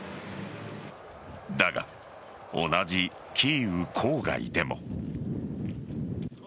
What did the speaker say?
だが、同じキーウ郊外でも。